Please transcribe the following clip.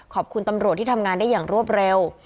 ขอบคุณตำรวจที่ทำงานได้อย่างรวดเร็ว